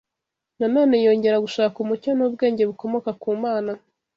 na none yongera gushaka umucyo n’ubwenge bukomoka ku Mana